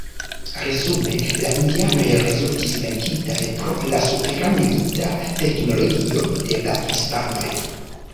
Resume la indianoj rezultis venkitaj pro la supera milita teknologio de la hispanoj.